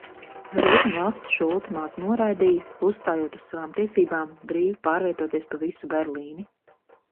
Rietumvalstis šo ultimātu noraidīja, uzstājot uz savām tiesībām brīvi pārvietoties pa visu Berlīni.